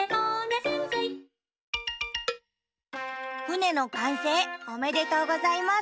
ふねのかんせいおめでとうございます。